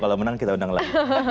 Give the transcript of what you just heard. kalau menang kita undang lagi